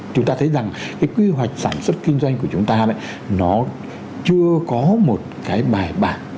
chúng ta thấy rằng cái kế hoạch sản xuất kinh doanh của chúng ta này nó chưa có một cái bài bàn